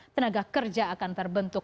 tenaga kerja akan terbentuk